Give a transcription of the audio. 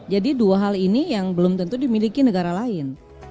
jadi dua hal ini yang belum tentu dimiliki negara lain